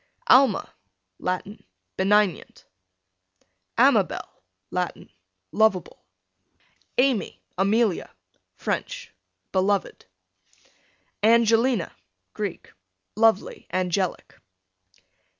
Alma, Latin, benignant. Amabel, Latin, lovable. Amy, Amelia, French, beloved. Angelina, Greek, lovely, angelic.